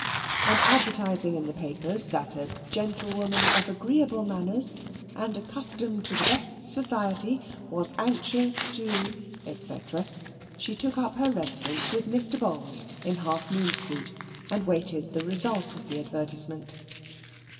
And advertising in the papers that a "Gentlewoman of agreeable manners, and accustomed to the best society, was anxious to," &c., she took up her residence with Mr. Bowls in Half Moon Street, and waited the result of the advertisement.